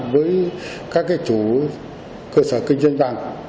với các chủ cơ sở kinh doanh vàng